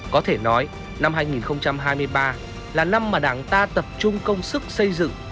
có thể nói năm hai nghìn hai mươi ba là năm mà đảng ta tập trung công sức xây dựng